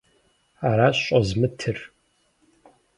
Аращ щӀозмытыр!